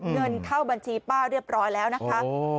เงินเข้าบัญชีป้าเรียบร้อยแล้วนะคะ